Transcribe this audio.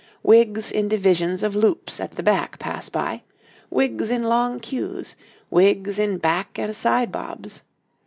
Wigs in three divisions of loops at the back pass by, wigs in long queues, wigs in back and side bobs.